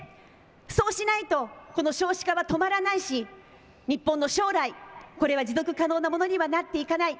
そうしないとこの少子化は止まらないし、日本の将来、これは持続可能なものにはなっていかない。